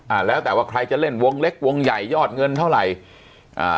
อ่าแล้วแต่ว่าใครจะเล่นวงเล็กวงใหญ่ยอดเงินเท่าไหร่อ่า